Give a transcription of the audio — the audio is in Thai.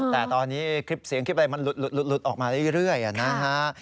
แต่ตอนนี้คลิปเสียงคลิปอะไรมันหลุดออกมาเรื่อยนะฮะ